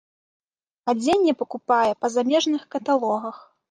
Адзенне пакупае па замежных каталогах.